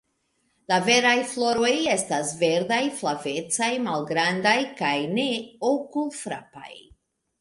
La veraj floroj estas verdaj-flavecaj, malgrandaj kaj ne okulfrapaj.